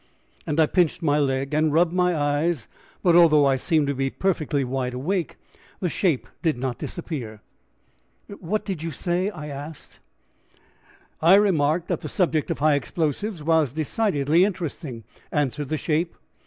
and I pinched my leg, and rubbed my eyes, but although I seemed to be perfectly wide awake, the shape did not disappear. "What did you say?" I asked. "I remarked that the subject of high explosives was decidedly interesting," answered the shape.